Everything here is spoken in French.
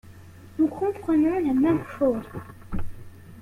Nous comprenons la même chose